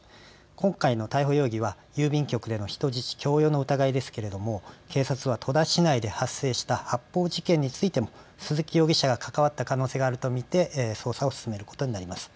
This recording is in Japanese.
今回の逮捕容疑は郵便局での人質強要の疑いですけれども警察は戸田市内で発生した発砲事件についても鈴木容疑者が関わった可能性があると見て捜査を進めることになります。